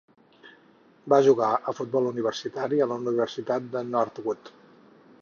Va jugar a futbol universitari a la Universitat de Northwood.